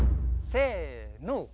せの。